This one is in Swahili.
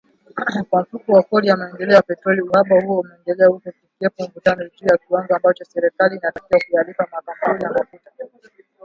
Kwa Mfuko wa Kodi ya Maendeleo ya Petroli uhaba huo umeendelea huku kukiwepo mivutano juu ya kiwango ambacho serikali inatakiwa kuyalipa makampuni ya mafuta.